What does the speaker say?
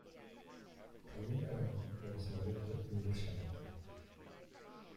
Kalinga Rao was married to Meenakshamma.